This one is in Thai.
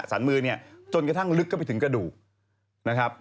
สันมือเนี่ยจนกระทั่งลึกเข้าไปถึงกระดูกนะครับ